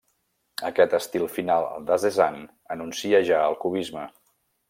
Aquest estil final de Cézanne anuncia ja el cubisme.